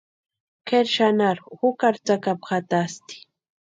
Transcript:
Kʼeri xanharu jukari tsakapu jatasti.